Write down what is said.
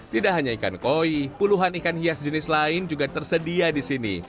tidak hanya ikan koi puluhan ikan hias jenis lain juga tersedia di sini